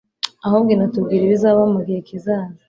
ahubwo inatubwira ibizabaho mu gihe kizaza